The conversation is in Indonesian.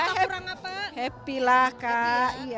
happy lah kak